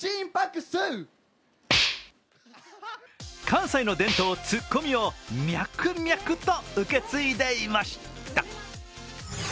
関西の伝統、ツッコミをミャクミャクと受け継いでいました。